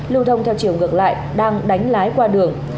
lưu thông theo chiều ngược lại đang đánh lái qua đường